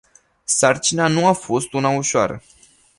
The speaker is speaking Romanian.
Sarcina nu a fost una ușoară.